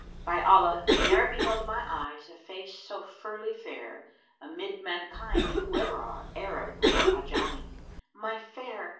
By Allah, ne'er beheld my eyes a face so ferly fair * Amid mankind whoever are, Arab or Ajamí. My Fair!